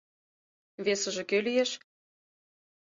Весыже кӧ лиеш?